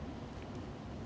masyarakat yang diperlukan